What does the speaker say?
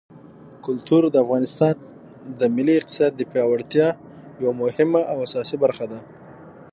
کلتور د افغانستان د ملي اقتصاد د پیاوړتیا یوه مهمه او اساسي برخه ده.